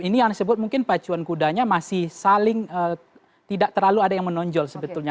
ini yang disebut mungkin pacuan kudanya masih saling tidak terlalu ada yang menonjol sebetulnya